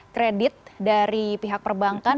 kredit dari pihak perbankan